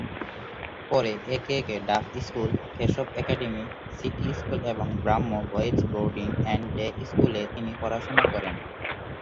পরে একে একে Duff school, Keshab academy, city school এবং Brahmo boys boarding and day স্কুলে তিনি পড়াশুনা করেন।